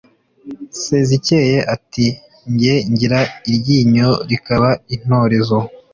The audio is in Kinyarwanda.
sezikeye ati jye ngira iryinyo rikaba intorezo